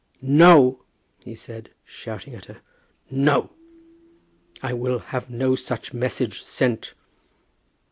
"No," he said, shouting at her. "No. I will have no such message sent."